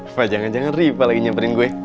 apa jangan jangan rifa lagi nyamperin gue